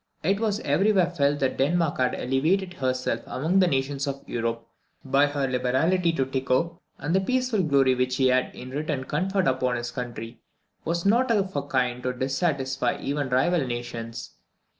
It was every where felt that Denmark had elevated herself among the nations of Europe by her liberality to Tycho; and the peaceful glory which he had in return conferred upon his country was not of a kind to dissatisfy even rival nations.